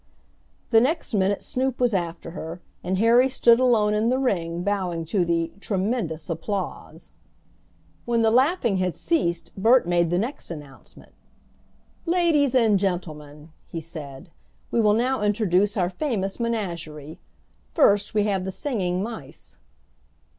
The next minute Snoop was after her, and Harry stood alone in the ring bowing to the "tremendous applause." When the laughing had ceased Bert made the next announcement. "Ladies and gentlemen," he said, "we will now introduce our famous menagerie. First we have the singing mice."